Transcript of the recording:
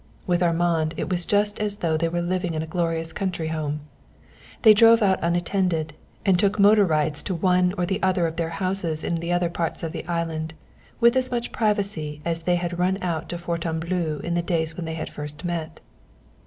With Armand it was just as though they were living in a glorious country home; they drove out unattended, and took motor rides to one or other of their houses in the other parts of the island with as much privacy as they had run out to Fontainebleau in the days when they had first met.